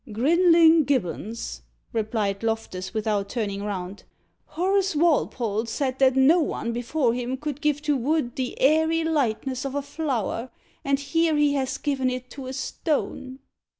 "Grinling Gibbons," replied Loftus, without turning round. "Horace Walpole said that no one before him could give to wood the airy lightness of a flower, and here he has given it to a stone."